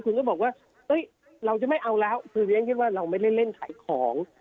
ก็บอกว่าเอ้ยเราจะไม่เอาแล้วคือเรียกว่าเราไม่ได้เล่นขายของ